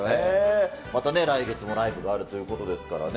またね、来月もライブがあるということですからね。